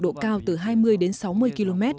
độ cao từ hai mươi đến sáu mươi km